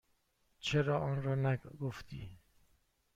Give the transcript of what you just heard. چرا آنرا گفتی؟